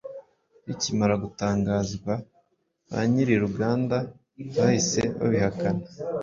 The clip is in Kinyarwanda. bikimara gutangazwa banyiri ruganda bahise babihakana